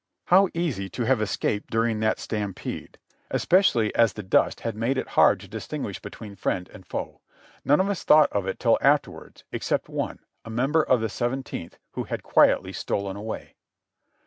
How easy to have escaped during that stampede, especially as 196 JOHNNY REB AND BILLY YANK the dust had made it hard to distinguish between friend and foe. None of us thought of it till afterwards, except one, a member of tlie Seventeenth, who had quietly stolen away.